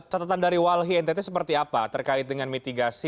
catatan dari walhi ntt seperti apa terkait dengan mitigasi